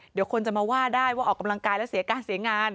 เดี๋ยวคนจะมาว่าได้ว่าออกกำลังกายแล้วเสียการเสียงาน